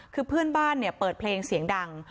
คือเพื่อนบ้านเนี่ยเปิดเพลงเสียงดัง